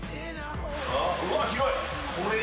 うわ、広い。